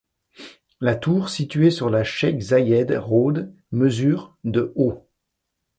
La tour, situé sur la Sheikh Zayed Road, mesure de haut.